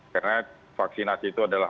karena vaksinasi itu adalah